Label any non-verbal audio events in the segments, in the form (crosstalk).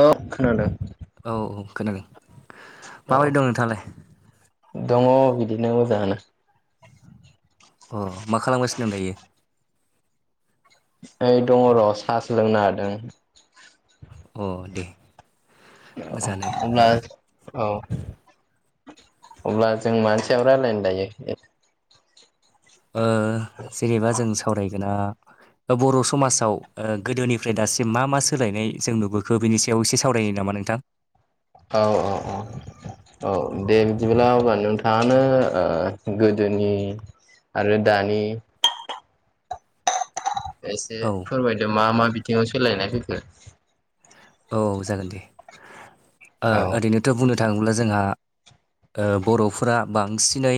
औ खोनादों औ औ खोनादों औ माबायदि दं नोंथाङालाय दङ बिदिनो मोजाङानो अ मा खालामगासिनो दं दायो ओइ दङ र' सा सो लोंनो नागेरदों अ दे मोजाङानो अब्ला औ अब्ला जों मानि सायाव रायलायनो दायो ओ जेनेबा जों सावरायगोना बर' समाजाव ओ गोदोनिफ्राय दासिम मा मा सोलायनाय जों नुबोखो बेनि सायाव बेयाव एसे सावरायनो नामा नोंथां औ औ औ औ दे बिदिब्ला अब्ला नोंथाङानो गोदोनि आरो दानि एसे औ फोरमायदो मा मा बिथिङाव सोलायनाय फैखो औ जागोन दे ओ औ ओरैनोथ' बुंनो थाङोब्ला जोंहा ओ बर'फोरा बांसिनै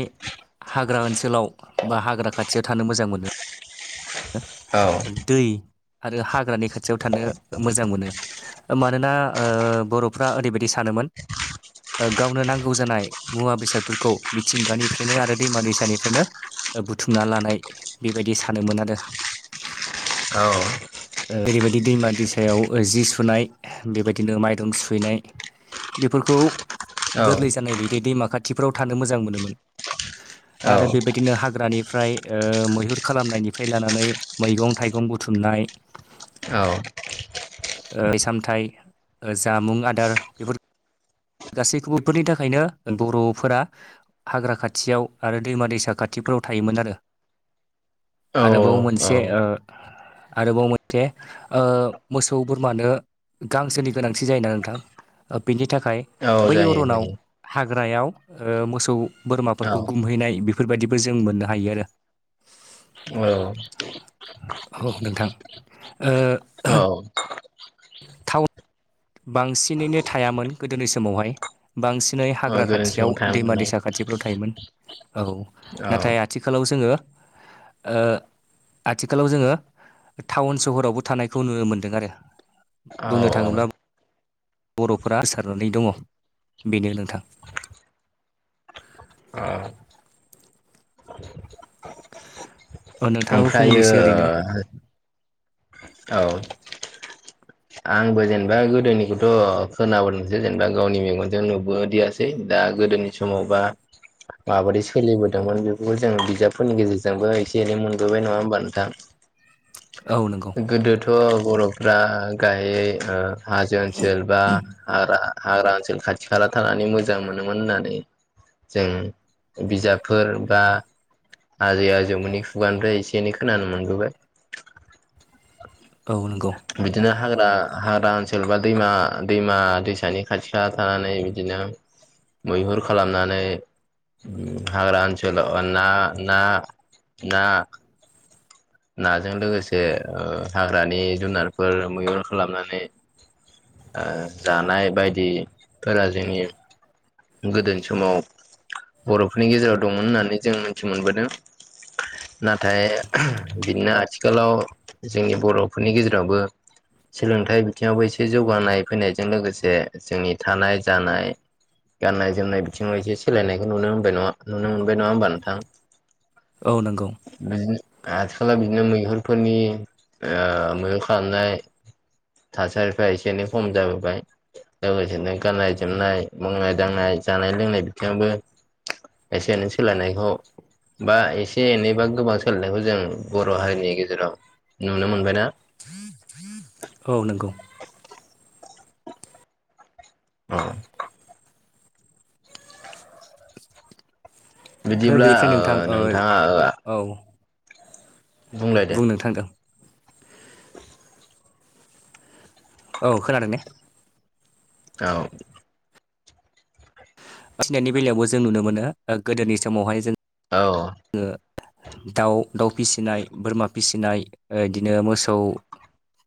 हाग्रा ओनसोलाव बा हाग्रा खाथियाव थानो मोजां मोनो औ दै आरो हाग्रानि खाथियाव थानो मोजां मोनो मानोना ओ बर'फ्रा ओरैबायदि सानोमोन ओ गावनो नांगौ जानाय मुवा बेसादफोरखौ मिथिंगानिफ्रायनो आरो दैमा दैसानिफ्रायनो बुथुमना लानाय बेबायदि सानोमोन आरो औ जेरैबायदि दैमा दैसायाव जि सुनाय बेबायदिनो माइरं सुहैनाय बेफोरखौ औ गोरलै जानाय बायदि दैमा खाथिफ्राव थानो मोजां मोनोमोन (inaudible) आरो बेबायदिनो हाग्रानिफ्राय ओ मैहुर खालामनायनिफ्राय लानानै मैगं थाइगं बुथुमनाय औ ओ (unintelligible) सामथाइ जामुं आदार बेफोर गासैखौबो फोरनि थाखायनो बर'फोरा हाग्रा खाथियाव आरो दैमा दैसा खाथिफोराव थायोमोन आरो औ आरोबाव औ मोनसे ओ आरोबाव मोनसे ओ मोसौ बोरमानो गांसोनि गोनांथि जायोना नोंथां ओ बिनि थाखाय औ बै जायो अरनाव जायो हाग्रायाव ओ मोसौ औ बोरमाफोरखौ गुमहैनाय बे बेफोरबायदिबो जों मोननो हायो आरो औ औ नोंथां ओ औ थावन बांसिनैनो थायामोन गोदोनि समावहाय बांसिनै हाग्रा गोदोनि खाथियाव समाव थानो दैमा मोननाय दैसा खाथिफ्राव थायोमोन औ औ नाथाय आथिखालाव जोङो ओ आथिखालाव जोङो टाउन सहरावबो थानायखौ नुनो मोनदों आरो औ बुंनो औ थाङोब्ला बर'फोरा गोसारनानै दङ बेनो नोंथां औ नोंथाङाबो ओमफ्रायो फंनैसो ओरैनो औ आंबो जेनेबा गोदोनिखौथ' खोनाबोदोंसो जेनेबा गावनि मेगनजों नुबोदियासै दा गोदोनि सम समावबा माबोरै सोलिबोदोंमोन बेखौबो जों बिजाबफोरनि गेजेरजोंबो एसे एनै मोनबोबाय नङा होमबा नोंथां औ नंगौ गोदोथ' बर'फ्रा गाहै ओ हाजो ओनसोल बा हाग्रा हाग्रा ओनसोल खाथि खाला थानानै मोजां मोनोमोन होननानै जों बिजाबफोर बा आजै आजौमोननि खुगानिफ्राय एसे एनै खोनानो मोनबोबाय औ नोंगौ बिदिनो हाग्रा हाग्रा ओनसोल बा दैमा दैमा दैसानि खाथि खाला थानानै बिदिनो मैहुर खालामनानै हाग्रा ओनसोलाव ना ना ना नाजों लोगोसे ओ हाग्रानि जुनारफोर मैहुर खालामनानै जानाय बायदिफोरा जोंनि गोदोनि समाव बर'फोरनि गेजेराव दंमोन होननानै जों मिथि मोनबोदों नाथाय बिदिनो आथिखालाव जोंनि बर'फोरनि गेजेरावबो सोलोंथाइ बिथिङावबो एसे जौगानाय फैनायजों लोगोसे जोंनि थानाय जानाय गाननाय जोमनाय बिथिङाव एसे सोलायनायखौ नुनो मोनबाय नङा नुनो मोनबाय नङा होमबा नोंथां औ नंगौ बिदिनो आथिखालाव बिदिनो मैहुरफोरनि मैगुर खालामनाय थासारिफ्रा एसे एनै खम जाबोबाय लोगोसेनो गाननाय जोमनाय मावनाय दांनाय जानाय लोंनाय बिथिंबो एसे एनै सोलायनायखौ बा एसे एनैबा गोबां सोलायनायखौ जों बर' हारिनि गेजेराव नुनो मोनबायना औ नंगौ (inaudible) औ आरो बिदिब्ला बेनिफ्राय ओ नोंथां नोंथाङा ओ औ बुंलाय दे बुंनो थांगोन औ खोनादों ने औ फिनायनि बेलायावबो जों नुनो मोनो गोदोनि समावहाय जों औ जो दाउ दाउ फिसिनाय बोरमा फिसिनाय ओ बिदिनो मोसौ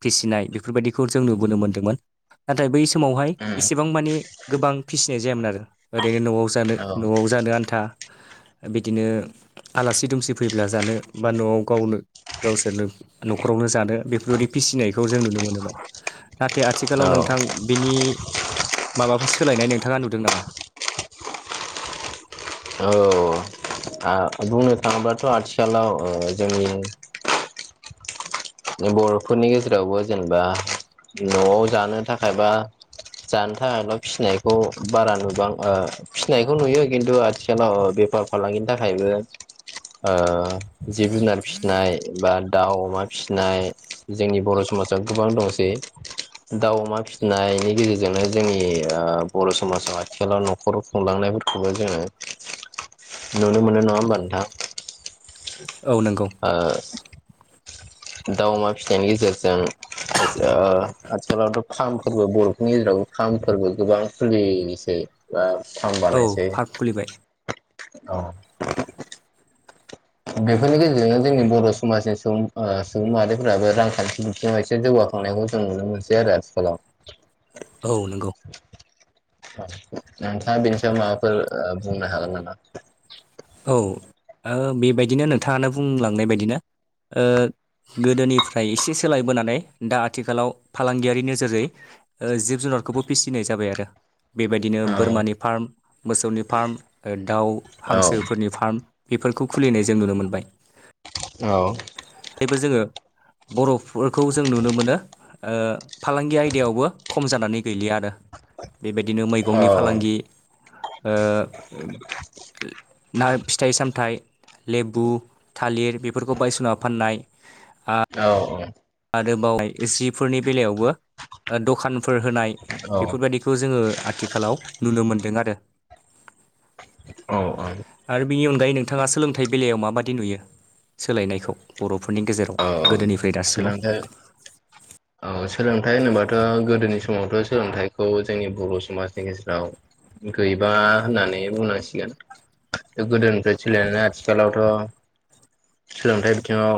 फिसिनाय बेफोरबायदिखौ जों नुबोनो मोनदोंमोन नाथाय बै समावहाय औ एसेबां मानिे गोबां फिसिनाय जायामोन आरो ओरैनो न'आव जानो औ न'आव जानो आन्था बिदिनो आलासि दुमसि फैब्ला जानो बा न'आव गावनो गावसोरनो न'खरावनो जानो बेफोरबायदि फिसिनायखौ जों नुनो मोनोमोन नाथाय आथिखालाव नोंथां बिनि माबाफोर सोलायनाय नोंथाङा नुदों नामा? औ बुंनो थाङोबाथ' आथिखालाव जोंनि बर'फोरनि गेजेरावबो जेनेबा न'आव जानो थाखायबा जानो थाखायल' फिसिनायखौ बारा नुबां फिसिनायखौ नुयो खिन्थु आथिखालाव बेफार फालांगिनि थाखायबो जिब जुनार फिसिनाय बा दाउ अमा फिनाय जोंनि बर' समाजाव गोबां दंसै दाउ अमा फिनायनि गेजेरजोंनो जोंनि बर' समाजाव आथिखालाव न'खर संलांनायफोरखौबो जोङो नुनो मोनो नङा होमबा नोंथां औ नोंगौ ओ दाउ अमा फिथनि गेजेरजों आ आथिखालावथ' फार्म फोरबो बर'फोरनि गेजेरावबो फार्मफोरबो गोबां खुलिनोसै बा फान औ बानायनोसै पार्क खुलिबाय औ। बेखौनोखि जब जब समाजनि सुबुं सुबुं माहारिफ्राबो रांखान्थि बिथिङाव एसे जौगाखांनायखौ जों नुनो मोनसै आरो आथिखालाव (unintelligible) औ नंगौ। नोंथाङा बेनि सायाव माबाफोर बुंनो हागोन नामा? औ बेबायदिनो नोंथाङानो बुंलांनाय बायदिना गोदोनिफ्राय एसे सोलायबोनानै दा आथिखालाव फालांगियारि नोजोरै जिब जुनारखौबो फिसिनाय जाबाय आरो। बेबायदिनो औ बोरमानि फार्म मोसौनि फार्म दाउ हांसो औ जनि फार्म बेफोरखौ खुलिनाय जों नुनो मोनबाय। औ। जबो जोङो बर'फोरखौ जों नुनो मोनो। फालांगि आयदायावबो खम जानानै गैलिया आरो बेबायदिनो मैगंनि फालांगि औ ओओ। ना फिथाइ सामथाइ लेबु थालिर बेफोरखौ बायदिसिना फाननाय औ औ। आरो बावाय जिफोरनि बेलायावबो दखानफोर होनाय औ बेफोरबायदि खौ जोङो आथिखालाव नुनो मोनदों आरो। औ आ। आरो बिनि अनगायै नोंथाङा सोलोंथाइ बेलायाव माबाददि नुयो सोलायनायखौ बर'फोरनि गेजेराव औ गोदोनिफ्राय दासिमाव सोलोंथाइ औ सोलोंथाइ होनोबाथ' गोदोनि समावथ' सोलोंथाइखौ जोंनि बर' समाजनि गेजेराव गैबा होननानै बुंनांसिगोन। गोदोनिफ्राय सोलिायनानै आथिखालावथ' सोलोंथाइ बिथिङाव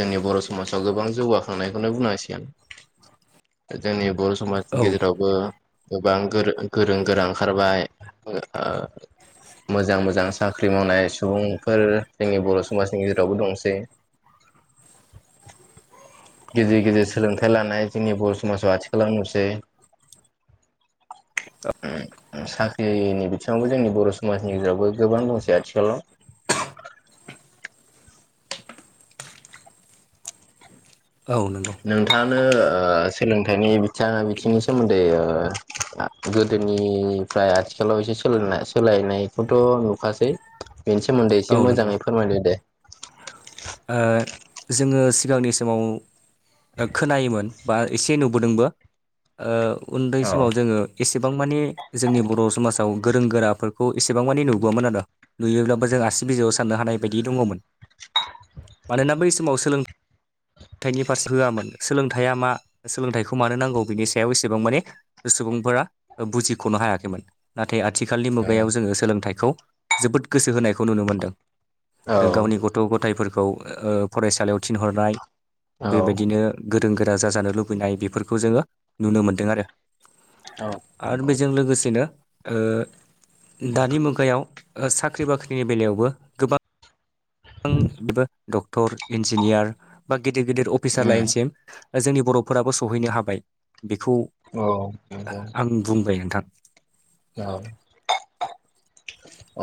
जोंनि बर' समाजाव गोबां जौगाखांनायखौनो बुंनांसिगोन जोंनि बर' औ समाजनि गेजेरावबो गोबां गोरों गोरा ओंखारबाय मोजां मोजां साख्रि मावनाय सुबुंफोर जोंनि बर' समाजनि गेजेरावबो दंसै गेजेर गेजेर सोलोंथाइ लानाय जोंनि बर' समाजाव आथिखालाव नुसै द (inaudible) साख्रिनि बिथिङावबो जोंनि बर' समाजनि गेजेरावबो गोबां दंसै आथिखालाव औ नंगौ। नोंथाङानो सोलोंथाइनि बिथथिाङा बिथिंनि सोमोन्दै गोदोनिफ्राय आथिखालाव एसे सोल सोलायनायखौथ' नुखासै बेनि सोमोन्दै औ एसे नंगौ मोजाङै फोरमायदों दे। जोङो सिगांनि समाव खोनायोमोन बा एसे नुबोदोंबो उन्दै औ समाव जोङो। एसेबां मानि जोंनि बर' समाजाव गोरों गोराफोरखौ एसेबां मानि नुबोआमोन आरो। नुयोब्लाबो जों आसि बिजौआव साननो हानाय बायदि दङमोन। मानोना बै समाव सोलोंथ फोथाइनि फारसे होआमोन सोलोंथाइया मा सोलोंथाइखौ मानो नांगौ बिनि सायाव एसेबां माने सुबुंफोरा बुजिख'नो हायाखैमोन। नाथाय आथिखालनि मुगायाव जोङो सोलोंथाइखौ जोबोद गोसो होनायखौ नुनो मोनदों। औ गावनि गथ' गथायफोरखौ फरायसालियाव थिनहरनाय औ बेबायदिनो गोरों गोरा जाजानो लुबैनाय बेफोरखौ जोङो नुनो मोन्दों आरो। औ आरो नंगौ। बेजों लोगोसेनो दानि मुगायाव साख्रि बाख्रिनि बेलायावबो गोबां गोां बेबो डक्टर इन्जिनियार बा गिदिर गिदिर अफिसार उम लाइनसिम। जोंनि बर'फोराबो सहैनो हाबाय बेखौ अ नंगौ आं बुंबाय नोंथां औ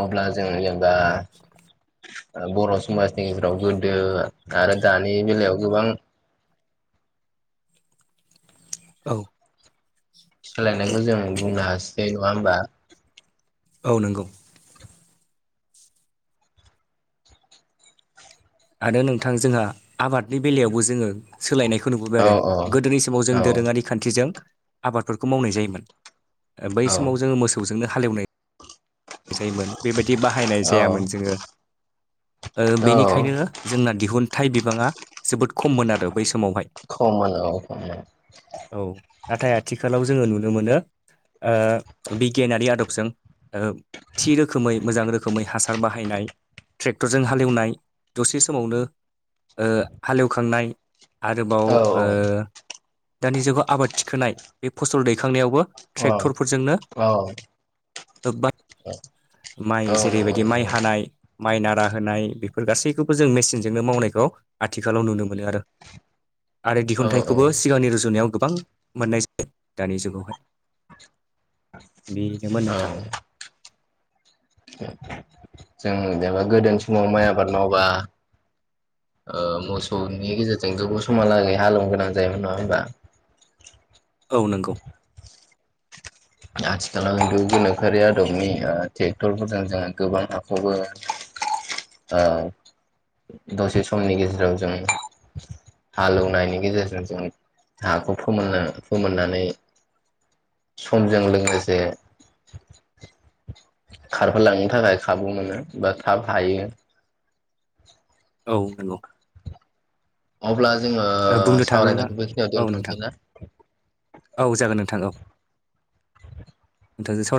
अब्ला जों जेनेबा बर' समाजनि गेजेराव गोदो आरो दानि बेलायाव गोबां औ सोलायनायखौ जों बुंनो हासै नङा होमबा औ नोंगौ आरो नोंथां जोंहा आबादनि बेलायावबो जोङो सोलायनायखौ नुबोबाय औ आरो गोदोनि समाव औ जों दोरोङारि खथिजों आबादफोरखौ मावनाय जायोमोन बै औ समाव जोङो मोसौजोंनो हाल एवनाय जायोमोन बेबायदि बाहायनाय औ जायामोन जोङो ओ औ बेनि जोंना दिहुनथाइ बिबाङा जोबोद खममोन आरो बै समावहाय खममोन औ खममोन औ नाथाय आथिखालाव जोङो नुनो मोनो ओ बिगियानारि आदबजों ओ थि रोखोमै मोजां रोखोमै हासार बाहायनाय ट्रेक्टरजों हालेवनाय दसे समावनो ओ हालेवखांनाय आरोबाव औ ओ दानि जुगाव आबाद थिखोनाय बे फसल दैखांनायावबो औ ट्रेक्टरफोरजोंनो औ नंगौ बा माइ जेरैबायदि नंगौ माइ हानाय माइ नारा होनाय बेफोर गासैखौबो जों मेसिनजोंनो मावनायखौ आथिखालाव नुनो मोनो आरो आरो औ दिहुुनथाइखौबो सिगांनि रुजुनायाव गोबां मोननाय जायो दानि जुगावहाय बेनोमोन नोंथां जों जेनेबा गोदोनि समाव माइ आबाद मावबा ओ मोसौनि गेजेरजों गोबाव समहालागै हालेवनो गोनां जायोमोन नङा होनबा औ नोंगौ आथिखालाव खिन्थु गोनोखोआरि आदबनि ट्रेक्टरफोरजों जोङो गोबां हाखौबो ओ दसे समनि गेजेराव जों हालेवनायनि गेजेरजों जों हाखौ फोमोननो फोमोननानै समजों लोगोसे खारफोलांनो थाखाय खाबु मोनो बा थाब हायो औ नंगौ अब्ला जोङो ओ बुंनो थाङोब्ला सावरायनायखौ औ बेखिनियाव नोंथां थांनोसै ना औ जागोन नोंथां औ नोंथांजों साव